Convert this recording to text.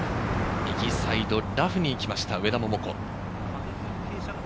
右サイド、ラフに行きました、上田桃子。